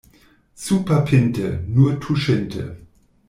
Superpinte — nur tuŝinte.